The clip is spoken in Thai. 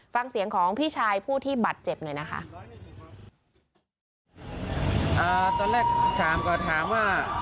ฟังเสียงของพี่ชายผู้ที่บัดเจ็บหน่อยนะคะ